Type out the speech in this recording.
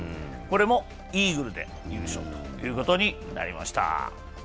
これもイーグルで優勝ということになりました。